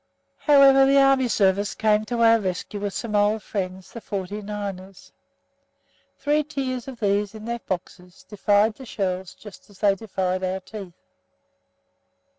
However, the Army Service came to our rescue with some old friends, the "forty niners." Three tiers of these in their boxes defied the shells just as they defied our teeth.